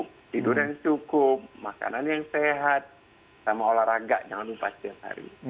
tidur yang cukup makanan yang sehat sama olahraga jangan lupa setiap hari